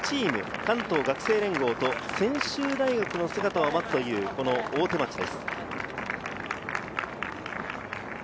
関東学生連合と専修大学の姿を待つ大手町です。